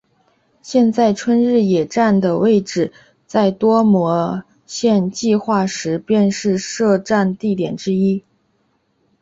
现在春日野站的位置在多摩线计画时便是设站地点之一。